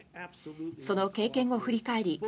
その経験を振り返り